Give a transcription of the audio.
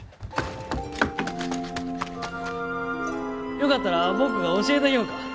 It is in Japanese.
よかったら僕が教えたぎょうか。